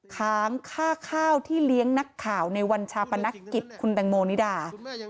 ค้างค่าข้าวที่เลี้ยงนักข่าวในวันชาปนกิจคุณแตงโมนิดา